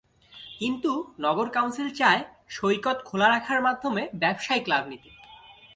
কিন্তু নগর কাউন্সিল চায় সৈকত খোলা রাখার মাধ্যমে ব্যবসায়িক লাভ নিতে।